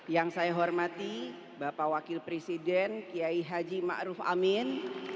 yang saya hormati bapak wakil presiden kiai haji ma'ruf amin